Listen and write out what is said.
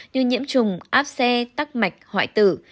như nhiễm trùng áp xe tắc mạch hoại tử